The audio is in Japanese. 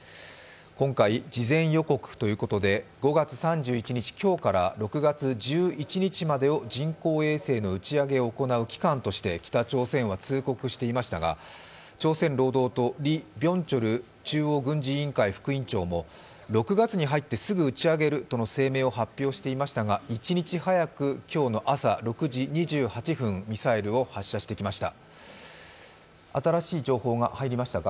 今回、事前予告ということで５月３１日、今日から６月１１日までを人工衛星を行う期間として北朝鮮は通告していましたが、朝鮮労働党のリ・ビョンチョル中央軍事委員会副委員長も６月に入ってすぐ打ち上げるとの声明を発表していましたが一日早く今日の朝６時２８分、ミサイルを発射してきました。